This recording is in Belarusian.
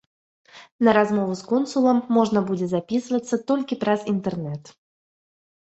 На размову з консулам можна будзе запісвацца толькі праз інтэрнэт.